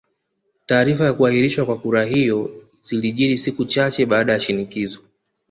Taarifa za kuahirishwa kwa kura hiyo zilijiri siku chache baada ya shinikizo